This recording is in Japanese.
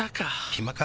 「暇か？」